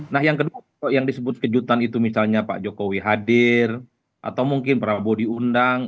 nah yang kedua kalau yang disebut kejutan itu misalnya pak jokowi hadir atau mungkin prabowo diundang